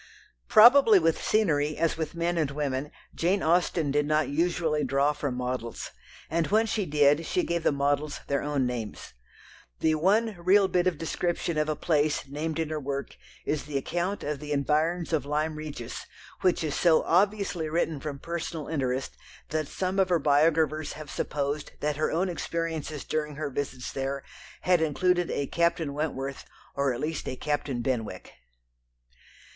Probably with scenery as with men and women Jane Austen did not usually draw from models, and when she did, she gave the models their own names. The one real bit of description of a place named in her work is the account of the environs of Lyme Regis, which is so obviously written from personal interest that some of her biographers have supposed that her own experiences during her visits there had included a Captain Wentworth or at least a Captain Benwick.